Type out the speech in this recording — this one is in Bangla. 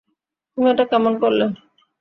তুমি এটা কেন করলে?